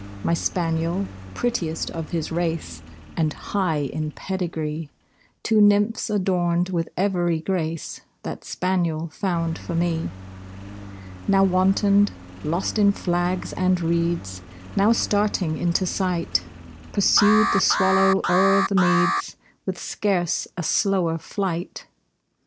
My spaniel, prettiest of his race, And high in pedigree (Two nymphs adorned with every grace That spaniel found for me) Now wantoned, lost in flags and reeds, Now starting into sight, Pursued the swallow o'er the meads With scarce a slower flight.